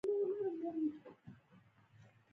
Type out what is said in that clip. خو دغه پاڅون په پایله کې مات شو.